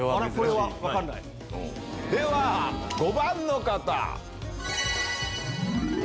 では５番の方。